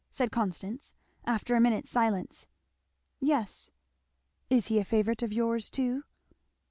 said Constance after a minute's silence. "Yes." "Is he a favourite of yours too?"